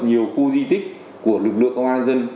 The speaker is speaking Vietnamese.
nhiều khu di tích của lực lượng công an dân